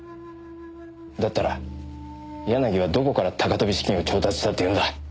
だったら柳はどこから高飛び資金を調達したっていうんだ？